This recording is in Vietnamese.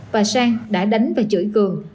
và sang đã đánh và chửi cường